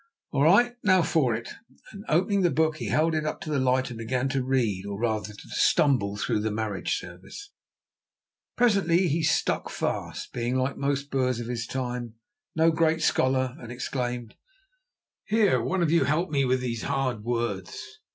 "All right, now for it," and, opening the book, he held it up to the light, and began to read, or, rather, to stumble, through the marriage service. Presently he stuck fast, being, like most Boers of his time, no great scholar, and exclaimed: "Here, one of you help me with these hard words."